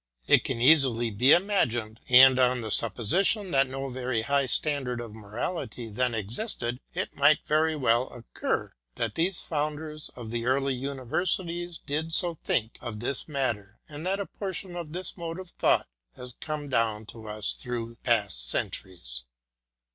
It can easily be imagined, and on the supposition that no very high standard of mo rality then existed it might very naturally occur, that these founders of the early universities did so think of this mat ter, and that a portion of this mode of thought has come down to us through past centuries.